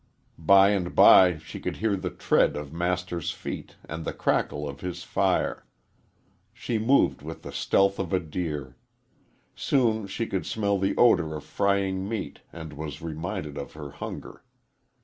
By and by she could hear the tread of Master's feet and the crackle of his fire. She moved with the stealth of a deer. Soon she could smell the odor of frying meat and was reminded of her hunger.